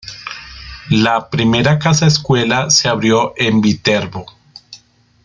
La primera casa escuela se abrió en Viterbo.